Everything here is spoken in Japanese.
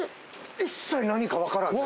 一切何か分からん。